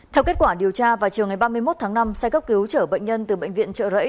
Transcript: theo kết quả điều tra vào chiều ngày ba mươi một tháng năm xe cấp cứu chở bệnh nhân từ bệnh viện trợ rẫy